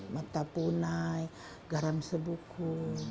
mata punai garam sebuku